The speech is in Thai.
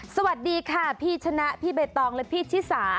สวัสดีค่ะพี่ชนะพี่ใบตองและพี่ชิสา